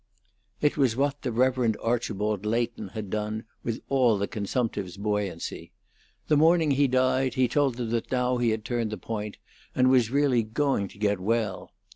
It was what the Rev. Archibald Leighton had done with all the consumptive's buoyancy. The morning he died he told them that now he had turned the point and was really going to get well.